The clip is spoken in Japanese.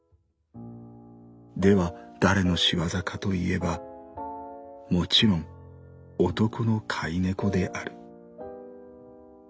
では誰の仕業かといえばもちろん男の飼い猫である。